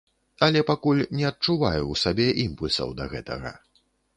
Але пакуль не адчуваю ў сабе імпульсаў да гэтага.